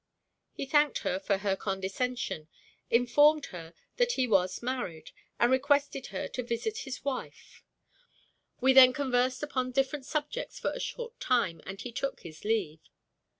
He thanked her for her condescension, informed her that he was married, and requested her to visit his wife. We then conversed upon different subjects for a short time, and he took his leave.